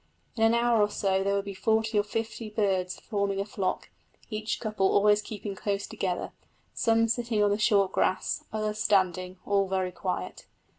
In an hour or so there would be forty or fifty birds forming a flock, each couple always keeping close together, some sitting on the short grass, others standing, all very quiet.